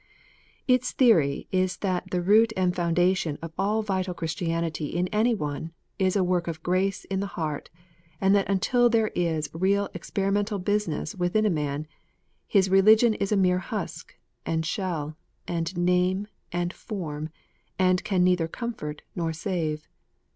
Its theory is that the root and foundation of all vital Chris tianity in any one, is a work of grace in the heart, and that until there is real experimental business within a man, his religion is a mere husk, and shell, and name, and form, and can neither comfort nor save.